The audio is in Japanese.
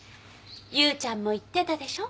ユウちゃんも言ってたでしょ。